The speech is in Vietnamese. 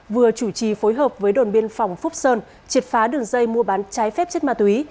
vừa chủ trì phối hợp với đồn biên phòng phúc sơn triệt phá đường dây mua bán trái phép chất ma túy